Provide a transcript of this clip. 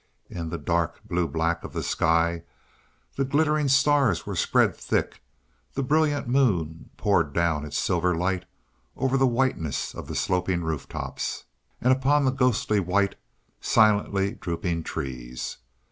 In the dark, blue black of the sky the glittering stars were spread thick; the brilliant moon poured down its silver light over the whiteness of the sloping roof tops, and upon the ghostly white, silently drooping trees.